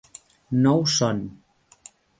No ho són.